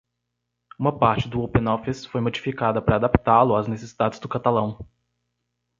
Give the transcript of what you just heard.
Uma parte do OpenOffice foi modificada para adaptá-lo às necessidades do catalão.